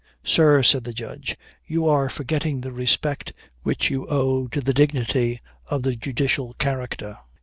"Sir," said the Judge, "you are forgetting the respect which you owe to the dignity of the judicial character."